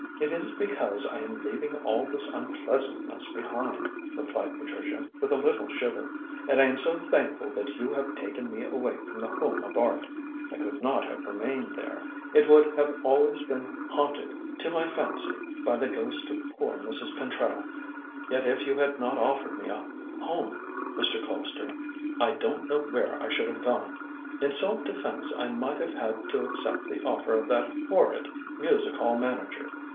"It is because I am leaving all this unpleasantness behind," replied Patricia, with a little shiver. "And I am so thankful that you have taken me away from The Home of Art. I could not have remained there; it would have always been haunted to my fancy by the ghost of poor Mrs. Pentreddle. Yet if you had not offered me a home, Mr. Colpster, I don't know where I should have gone. In self defence I might have had to accept the offer of that horrid music hall manager.